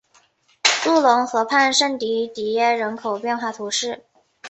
杜龙河畔圣迪迪耶人口变化图示